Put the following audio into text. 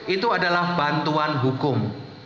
itu adalah bantuan hukum